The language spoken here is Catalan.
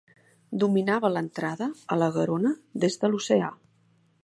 Dominava l'entrada a la Garona des de l'oceà.